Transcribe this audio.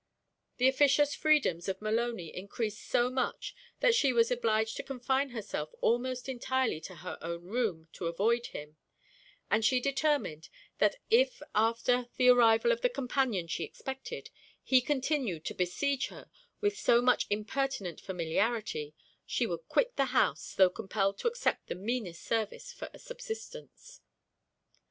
The officious freedoms of Maloney encreased so much, that she was obliged to confine herself almost entirely to her own room to avoid him; and she determined, that if after the arrival of the companion she expected, he continued to besiege her with so much impertinent familiarity, she would quit the house, tho' compelled to accept the meanest service for a subsistence.